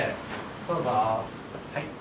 どうぞ。